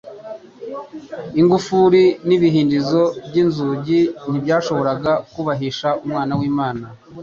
Ingufuri n'ibihindizo by'inzugi ntibyashoboraga kubahisha Umwana w'Imana.